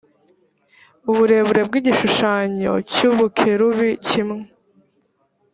uburebure bw’igishushanyo cy’umukerubi kimwe